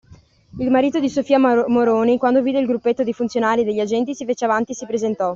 Il marito di Sofia Moroni, quando vide il gruppetto dei funzionari e degli agenti, si fece avanti e si presentò.